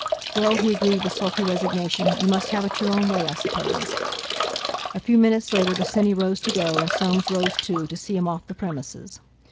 "Well," he agreed, with sulky resignation; "you must have it your own way, I suppose." A few minutes later Bosinney rose to go, and Soames rose too, to see him off the premises.